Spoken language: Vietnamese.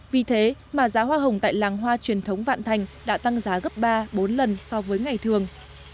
vì thế mà giá hoa hồng tại làng hoa truyền thống vạn thành đã tăng giá gấp ba bốn lần so với ngày thường